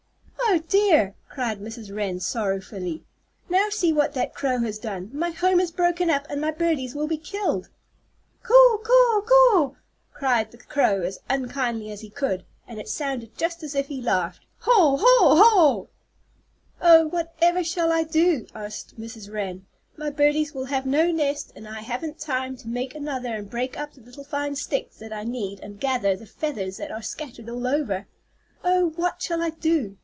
"Oh, dear!" cried Mrs. Wren, sorrowfully. "Now see what that crow has done! My home is broken up, and my birdies will be killed." "Caw! Caw! Caw!" cried the crow as unkindly as he could, and it sounded just as if he laughed "Haw! Haw! Haw!" "Oh, whatever shall I do?" asked Mrs. Wren. "My birdies will have no nest, and I haven't time to make another and break up the little fine sticks that I need and gather the feathers that are scattered all over. Oh, what shall I do?